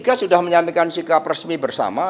p tiga sudah menyampaikan sikap resmi bersama